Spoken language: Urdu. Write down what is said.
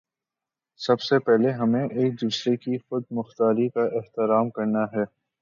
سب سے پہلے ہمیں ایک دوسرے کی خود مختاری کا احترام کرنا ہے۔